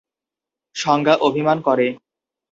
সংজ্ঞা অভিমান করেন।